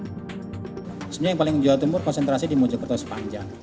sebenarnya yang paling jawa timur konsentrasi di mojokerto sepanjang